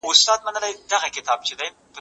په ښه طریقه سرته ورسوي.